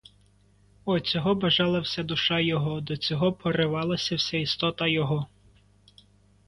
О, цього бажала вся душа його, до цього поривалася вся істота його!